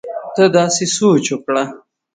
ته داسې سوچ وکړه